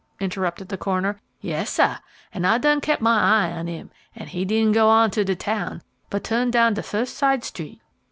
interrupted the coroner. "Yes, sah; an' I done kep' my eye on 'im, an' he didn' go on to de town, but tuhned down de fust side street.